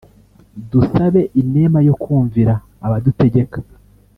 dusabe inema yo kumvira abadutegeka”